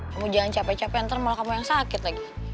kamu jangan capek capek ntar malah kamu yang sakit lagi